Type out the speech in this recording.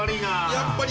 やっぱり。